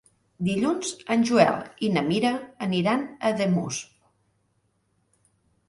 Dilluns en Joel i na Mira aniran a Ademús.